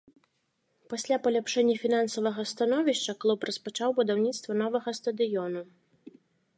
Пасля паляпшэння фінансавага становішча клуб распачаў будаўніцтва новага стадыёну.